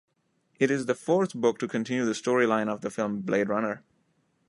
It is the fourth book to continue the storyline of the film "Blade Runner".